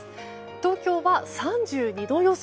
東京は３２度予想。